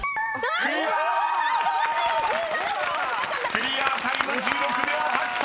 ［クリアタイム１６秒８３！］